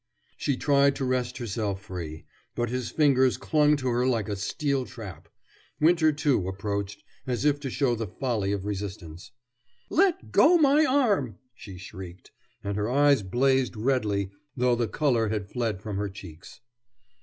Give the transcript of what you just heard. She tried to wrest herself free, but his fingers clung to her like a steel trap. Winter, too, approached, as if to show the folly of resistance. "Let go my arm!" she shrieked, and her eyes blazed redly though the color had fled from her cheeks.